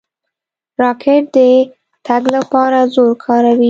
راکټ د تګ لپاره زور کاروي.